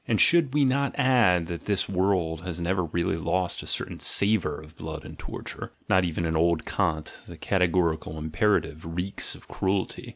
And should we not add that this world has never really lost a certain savour of blood and torture (not even in old Kant: the categorical imperative reeks of cruelty).